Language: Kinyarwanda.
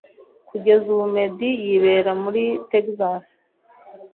kugeza ubu Meddy yibera muri Texas